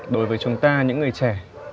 đối với chúng ta những người trẻ